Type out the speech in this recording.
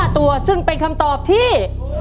๕ตัวซึ่งเป็นคำตอบที่